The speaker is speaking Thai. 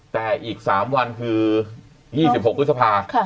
แต่อีก๓วันคือ๒๖พฤษภา